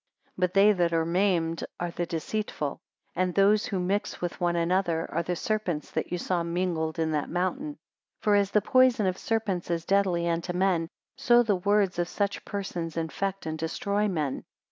226 But they that are maimed, are the deceitful; and those who mix with one another, are the serpents that you saw mingled in that mountain. 227 For as the poison of serpents is deadly unto men, so the words of such persons infect and destroy men.